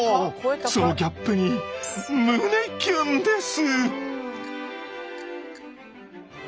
そのギャップに胸キュンです。